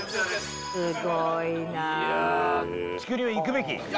すごいな。